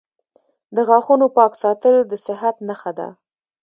• د غاښونو پاک ساتل د صحت نښه ده.